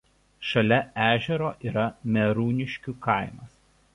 Šalia ežero yra Mėrūniškių kaimas.